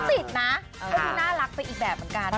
ติดนะก็ดูน่ารักไปอีกแบบเหมือนกัน